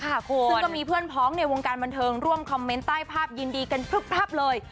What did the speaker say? ซึ่งก็มีเพื่อนพ้องในวงการบันเทิงร่วมคอมเมนต์ใต้ภาพยินดีกันพลึบพับเลย